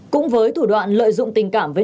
cũng với thủ đoạn lợi dụng tình cảm